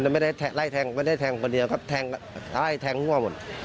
ไม่ได้ไล่แทงคนเดียวก็แทงหัวหมด